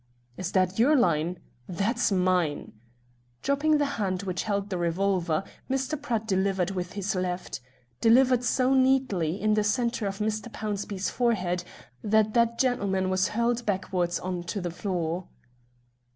"Is that your line? That's mine!" Dropping the hand which held the revolver, Mr. Pratt delivered with his left. Delivered so neatly, in the centre of Mr. Pownceby's forehead, that that gentleman was hurled backwards on to the floor.